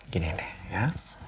gini deh ya